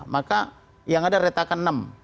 maka yang ada retakan enam